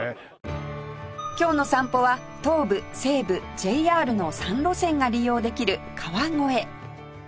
今日の散歩は東武西武 ＪＲ の３路線が利用できる川越